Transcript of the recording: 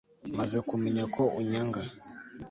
maze kumenya ko unyanga